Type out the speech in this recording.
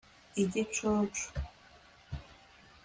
igicucu